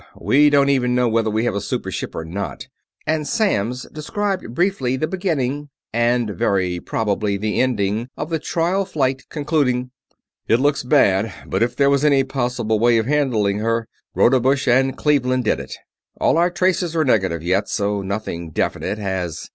We don't even know whether we have a super ship or not," and Samms described briefly the beginning and very probably the ending of the trial flight, concluding: "It looks bad, but if there was any possible way of handling her, Rodebush and Cleveland did it. All our tracers are negative yet, so nothing definite has...."